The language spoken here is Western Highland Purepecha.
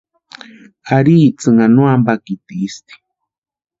Ari itsïnha no ampakitisti.